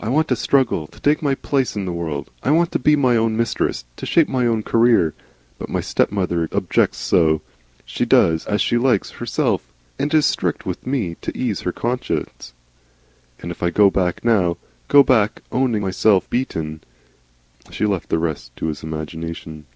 I want to struggle, to take my place in the world. I want to be my own mistress, to shape my own career. But my stepmother objects so. She does as she likes herself, and is strict with me to ease her conscience. And if I go back now, go back owning myself beaten " She left the rest to his imagination.